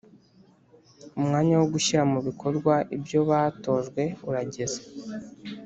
Umwanya wo gushyira mu bikorwa ibyo batojwe urageze